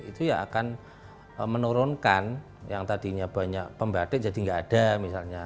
itu ya akan menurunkan yang tadinya banyak pembatik jadi nggak ada misalnya